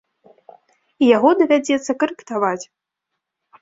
І яго давядзецца карэктаваць.